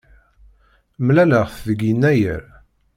Mlaleɣ-t deg yennayer.